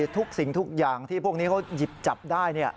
ทุกสิ่งทุกอย่างที่พวกนี้เขาหยิบจับได้